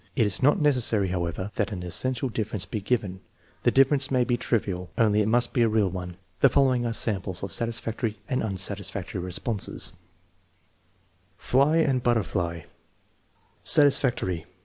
It is not necessary, however, that an essential difference be given; the difference may be trivial, only it must be a real one. The following are samples of satisfactory and unsatisfactory responses: Fly and butterfly Satisfactory.